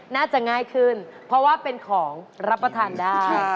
น่าจะง่ายขึ้นเพราะว่าเป็นของรับประทานได้